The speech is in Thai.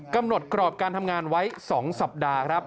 กำหนดกรอบการทำงานไว้๒สัปดาห์ครับ